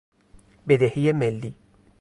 بدهی ملی